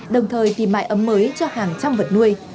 đồng thời tìm mái ấm mới cho hàng trăm vật nuôi